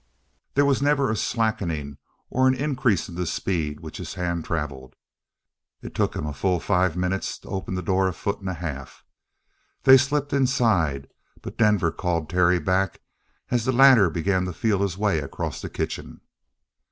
There was never a slackening or an increase in the speed with which his hand travelled. It took him a full five minutes to open the door a foot and a half. They slipped inside, but Denver called Terry back as the latter began to feel his way across the kitchen.